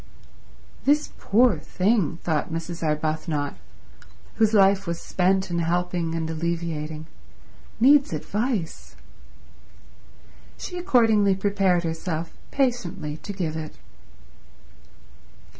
"This poor thing," thought Mrs. Arbuthnot, whose life was spent in helping and alleviating, "needs advice." She accordingly prepared herself patiently to give it.